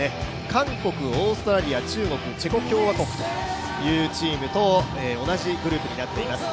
韓国、オーストラリア、中国、チェコ共和国と同じグループになっています。